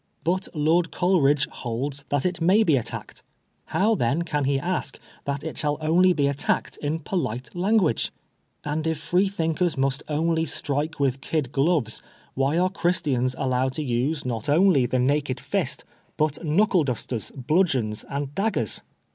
But Lord Coleridge holds that it may be attacked. How then can he ask that it shall only be attacked in polite language ? And if Freethinkers must only strike with kid gloves, why are Christians allowed to use not only PBEFAGE. 13 the naked fist, but knuckle dusterSy bludgeons, and daggers